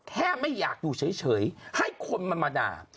ไม่อยากอยู่เฉยให้คนมันมาด่า